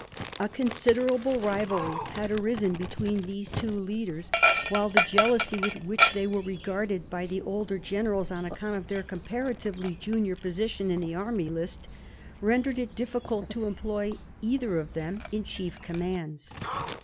A considerable rivalry had arisen between these two leaders ; while the jealousy with which they were regarded by the older generals, on account of their comparatively junior position in the army list, rendered it difficult to employ either of them in chief commands.